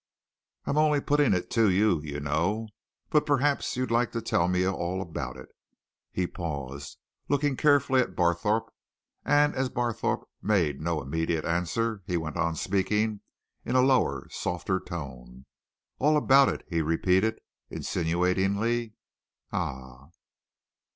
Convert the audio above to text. I'm only putting it to you, you know. But perhaps you'd like to tell me all about it?" He paused, looking carefully at Barthorpe, and as Barthorpe made no immediate answer, he went on speaking in a lower, softer tone. "All about it," he repeated insinuatingly. "Ah!"